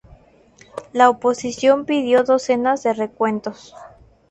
La oposición pidió docenas de recuentos.